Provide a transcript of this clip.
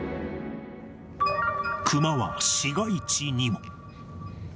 クマは市街地にも。